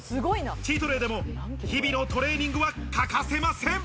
チートデイでも日々のトレーニングは欠かせません。